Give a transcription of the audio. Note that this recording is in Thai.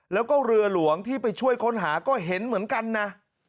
แล้วก็เรือหลวงที่ไปช่วยค้นหาก็เห็นเหมือนกันนะ